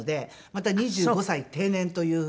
また２５歳定年という風に。